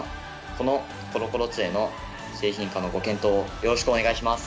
このコロコロつえの製品化のご検討をよろしくお願いします。